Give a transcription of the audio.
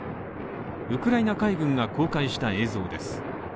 ウクライナ海軍が公開した映像です。